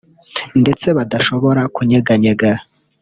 ndetse badashobora kunyeganyega